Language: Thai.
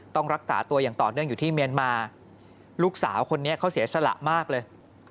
ต้องรักษาตัวอย่างต่อเนื่องอยู่ที่เมียนมาลูกสาวคนนี้เขาเสียสละมากเลย